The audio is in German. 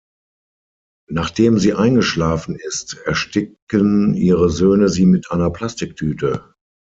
Nachdem sie eingeschlafen ist, ersticken ihre Söhne sie mit einer Plastiktüte.